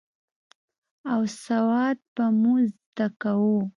او سواد به مو زده کاوه.